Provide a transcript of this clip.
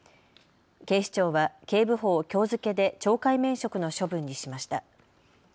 警視庁は警部補をきょう付けで懲戒免職の処分にしました。